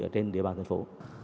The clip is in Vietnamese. trên địa bàn thành phố